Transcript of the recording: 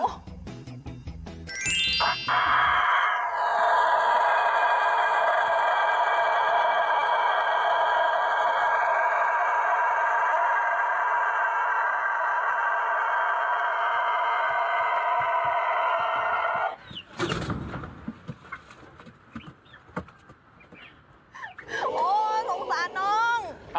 โหสงสานน้อง